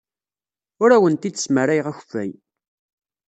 Ur awent-d-smarayeɣ akeffay.